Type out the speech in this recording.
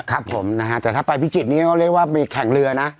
ครับผมนะฮะแต่ถ้าไปพิจิตรนี้ก็เรียกว่าไปแข่งเรือนะ